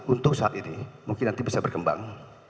untuk saat ini mungkin nanti bisa berkembang